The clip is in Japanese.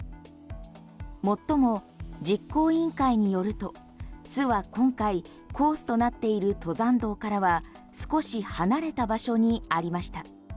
最も実行委員会によると巣は今回コースとなっている登山道から少し離れた場所にありました。